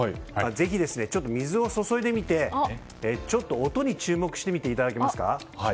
ぜひ水を注いでみてちょっと音に注目してみていただけますか。